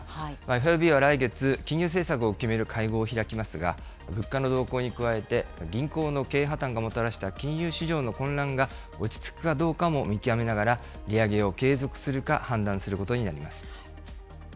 ＦＲＢは来月、金融政策を決める会合を開きますが、物価の動向に加えて、銀行の経営破綻がもたらした金融市場の混乱が落ち着くかどうかも見極めながら、利上げを継続するか判断することになります。